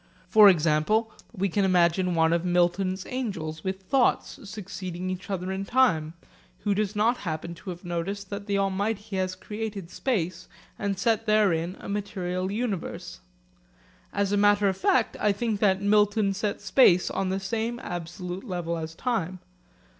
For example we can imagine one of Milton's angels with thoughts succeeding each other in time, who does not happen to have noticed that the Almighty has created space and set therein a material universe. As a matter of fact I think that Milton set space on the same absolute level as time.